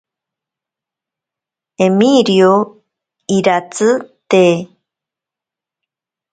Emirio iratsi te.